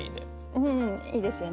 うんいいですよね